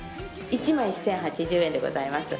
１枚１０８０円でございます。